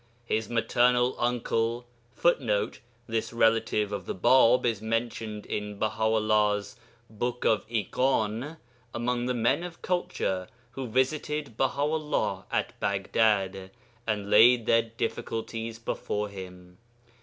His maternal uncle, [Footnote: This relative of the Bāb is mentioned in Baha 'ullah's Book of Ighan, among the men of culture who visited Baha 'ullah at Baghdad and laid their difficulties before him.